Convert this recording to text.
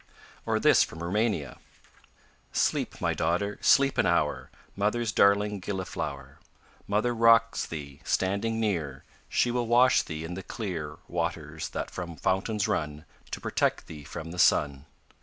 Or this from Roumania: Sleep, my daughter, sleep an hour; Mother's darling gilliflower. Mother rocks thee, standing near, She will wash thee in the clear Waters that from fountains run, To protect thee from the sun.